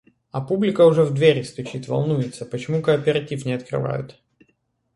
А публика уже в двери стучит, волнуется, почему кооператив не открывают.